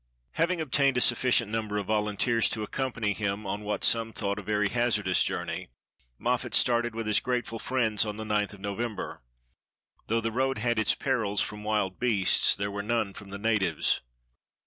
Having obtained a sufficient number of volunteers to accompany him on what some thought a very hazardous journey, Moffat started with his grateful friends on the 9th of November. Though the road had its perils from wild beasts, there were none from the natives.